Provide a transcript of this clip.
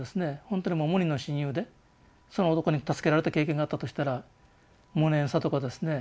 本当にもう無二の親友でその男に助けられた経験があったとしたら無念さとかですね